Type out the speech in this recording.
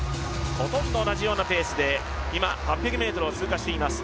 ほとんど同じようなペースで今８００ｍを通過していきました。